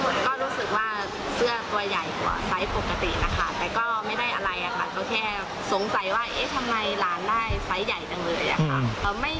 ไม่คิดว่าจะดังขนาดนี้นะคะ